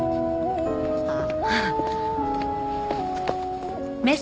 あっ。